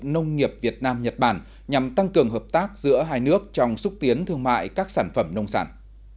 nông nghiệp việt nam nhật bản nhằm tăng cường hợp tác giữa hai nước trong xúc tiến thương mại các sản phẩm nông sản